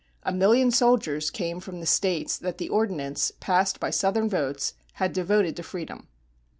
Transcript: A million soldiers came from the States that the Ordinance, passed by Southern votes, had devoted to freedom.